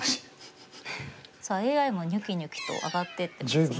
さあＡＩもニョキニョキと上がってってますね